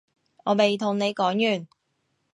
我未同你講完